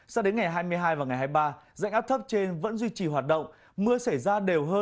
sao đến ngày hai mươi hai và ngày hai mươi ba dãnh áp thấp trên vẫn duy trì hoạt động mưa xảy ra đều hơn